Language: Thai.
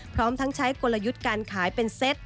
พร้อมทั้งใช้กลยุทธ์การขายเป็นเซต